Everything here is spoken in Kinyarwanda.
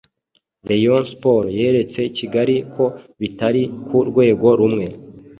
Rayon Sports yeretse Kigali ko bitari ku rwego rumwe